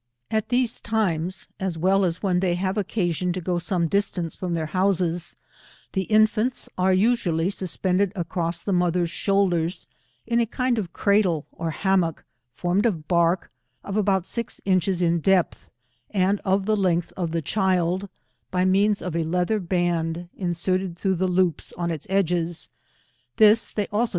At these times, as well as when they have oeca gioQ to go some distance from their houses, the infants are usually suspended across the mother's shoulders, in a kind of cradle or hammock, formed K 'Z lOi of bark, of aboat six inches in depth, and of the length of the child, by means of a leather baud inserted through loops on its edges; this they also.